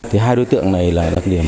hai đối tượng này là đặc điểm